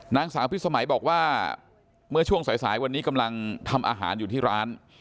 นางสาวพิสมัยบอกว่าเมื่อช่วงสายวันนี้กำลังทำอาหารอยู่ที่ร้าน